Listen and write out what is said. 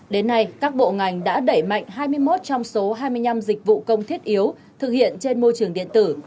đến nay các bộ ngành đã đẩy mạnh hai mươi một trong số hai mươi năm dịch vụ công thiết yếu thực hiện trên môi trường điện tử